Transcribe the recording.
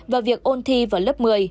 và việc ôn thi vào lớp một mươi